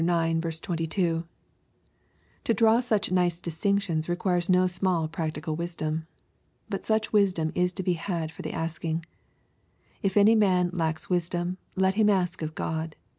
21 (1 Cor. ix. 22 ) To draw such nice distinctioDB requires DO small practical wisdom. But such wisdom is to be had for the asking. " If any man lack wisdom, let him ask of God."